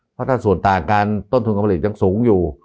เพราะถ้าส่วนต่างกันต้นทุนการผลิตยังสูงอยู่